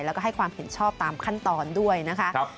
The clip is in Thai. แล้วก็ให้ความเห็นชอบตามขั้นตอนด้วยนะคะ